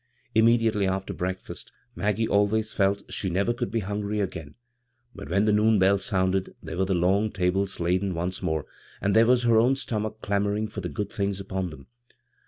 Immediately after breakfast Maggie always felt she never could be hungry agiun ; but when the noon bell sounded there were the long tables laden once more, and there was her own st(»nach clamoring for the good things upon them.